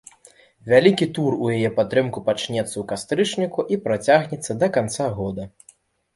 Вялікі тур у яе падтрымку пачнецца ў кастрычніку і працягнецца да канца года.